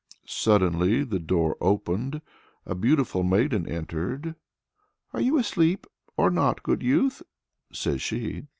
Suddenly the door opened; a beautiful maiden entered. "Are you asleep, or not, good youth?" says she.